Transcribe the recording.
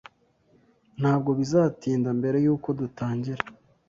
Ntabwo bizatinda mbere yuko dutangira.